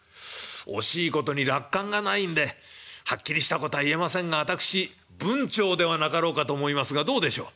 惜しいことに落款がないんではっきりしたことは言えませんが私文晁ではなかろうかと思いますがどうでしょう？